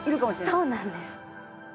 そうなんです。